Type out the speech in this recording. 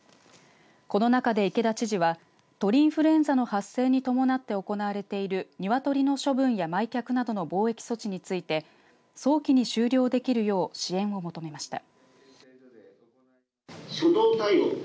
この中で池田知事は鳥インフルエンザの発生に伴って行われている鶏の処分や埋却などの防疫措置について早期に終了できるよう支援を求めました。